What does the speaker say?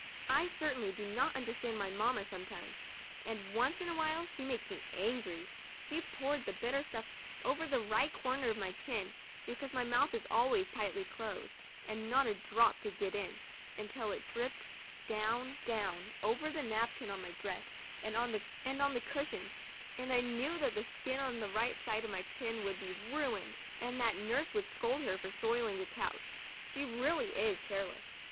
I certainly do not understand my mamma sometimes, and once in a while she makes me angry. She poured that bitter stuff over the right corner of my chin, because my mouth is always tightly closed and not a drop could get in, until it dripped down, down 35 THE DIARY OF A BIRTHDAY DOLL over the napkin, on my dress and on the cushions, and I knew that the skin on the right side of my chin would be just ruined, and that Nurse would scold her for soil ing the couch. She really is careless.